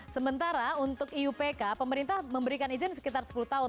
sementara untuk iupk pemerintah memberikan izin sekitar sepuluh tahun